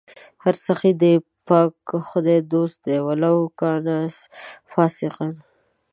هر سخي د پاک خدای دوست دئ ولو کانَ فاسِقا